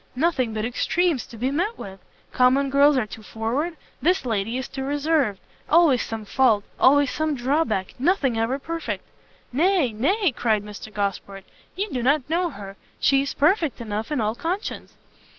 nothing but extremes to be met with! common girls are too forward, this lady is too reserved always some fault! always some drawback! nothing ever perfect!" "Nay, nay," cried Mr Gosport, "you do not know her; she is perfect enough in all conscience."